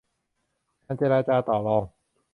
การเจรจาต่อรอง